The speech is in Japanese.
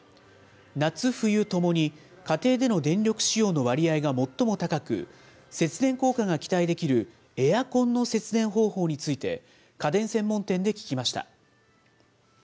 夏冬ともに家庭での電力使用の割合が最も高く、節電効果が期待できるエアコンの節電方法について、家電専門店で聞きました。